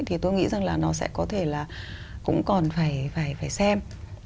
thì tôi nghĩ rằng là nó sẽ có thể là cũng còn phải xem